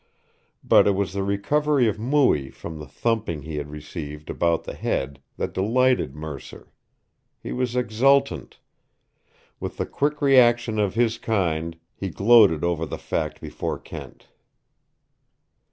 But it was the recovery of Mooie from the thumping he had received about the head that delighted Mercer. He was exultant. With the quick reaction of his kind he gloated over the fact before Kent.